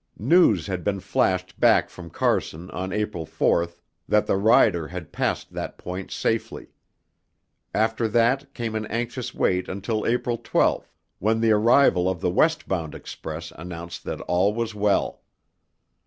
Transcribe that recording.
News had been flashed back from Carson on April 4 that the rider had passed that point safely. After that came an anxious wait until April 12 when the arrival of the west bound express announced that all was well.